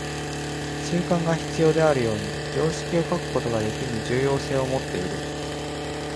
習慣が必要であるように、常識も欠くことのできぬ重要性をもっている。